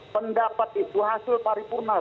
pendapat itu hasil paripurna